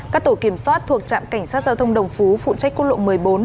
các tổ kiểm soát thuộc trạm cảnh sát giao thông đồng phú phụ trách quốc lộ một mươi bốn